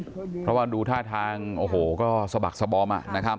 เพราะว่าดูท่าทางโอ้โหก็สะบักสะบอม